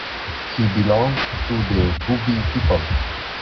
He belonged to the Bubi people.